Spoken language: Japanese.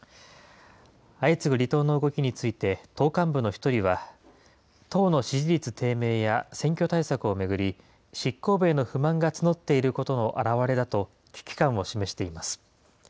相次ぐ離党の動きについて、党幹部の一人は、党の支持率低迷や選挙対策を巡り、執行部への不満が募っていることの表れだと、危機感を示しています。